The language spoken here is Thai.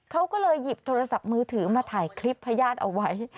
เขาก็เลยหยิบโทรศัพท์มือถือมาถ่ายคลิปพญาติเอาไว้